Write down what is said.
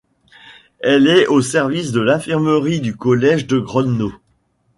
Elle est au service de l’infirmerie du collège de Grodno.